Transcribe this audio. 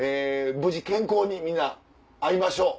無事健康に皆会いましょう。